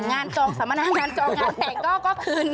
จองสัมมนางานจองงานแต่งก็คือ